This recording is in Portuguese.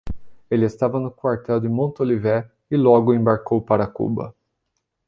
Ele estava no quartel de Montolivet e logo embarcou para Cuba.